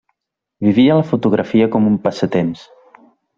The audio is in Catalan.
Vivia la fotografia com un passatemps.